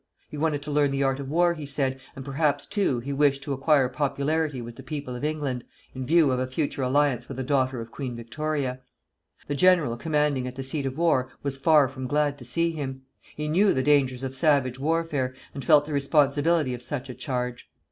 He wanted to learn the art of war, he said, and perhaps too he wished to acquire popularity with the people of England, in view of a future alliance with a daughter of Queen Victoria. The general commanding at the seat of war was far from glad to see him. He knew the dangers of savage warfare, and felt the responsibility of such a charge.